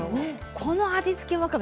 この味付けわかめ